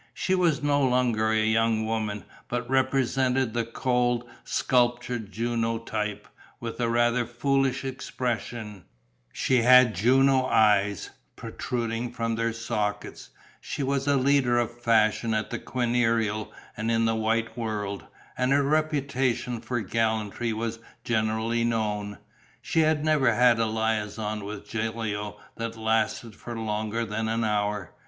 She was no longer a young woman, but represented the cold, sculptured Juno type, with a rather foolish expression; she had Juno eyes, protruding from their sockets; she was a leader of fashion at the Quirinal and in the "white" world; and her reputation for gallantry was generally known. She had never had a liaison with Gilio that lasted for longer than an hour.